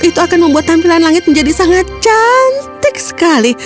itu akan membuat tampilan langit menjadi sangat cantik sekali